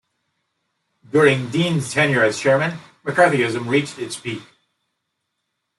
During Dean's tenure as Chairman, McCarthyism reached its peak.